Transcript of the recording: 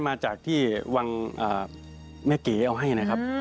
มาจากที่วังแม่เก๋เอาให้นะครับ